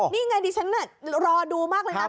นี่ไงดิฉันรอดูมากเลยนะ